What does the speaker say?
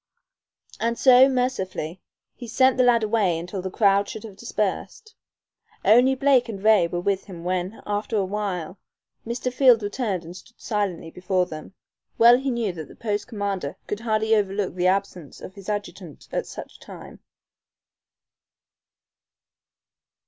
And so, mercifully, he sent the lad away until the crowd should have dispersed. Only Blake and Ray were with him when, after awhile, Mr. Field returned and stood silently before them. Well he knew that the post commander could hardly overlook the absence of his adjutant at such a time.